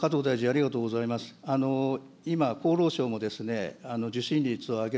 加藤大臣、ありがとうございます。